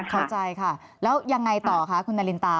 เข้าใจค่ะแล้วยังไงต่อคะคุณนารินตา